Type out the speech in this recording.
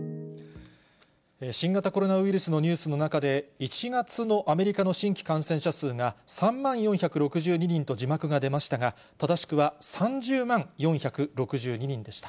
新型コロナウイルスのニュースの中で、１月のアメリカの新規感染者数が３万４６２人と字幕が出ましたが、正しくは３０万４６２人でした。